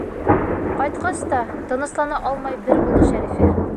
Ҡайтҡас та, тыныслана алмай бер булды Шәрифә.